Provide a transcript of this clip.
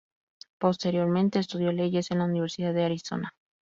Posteriormente estudió leyes en la Universidad de Arizona.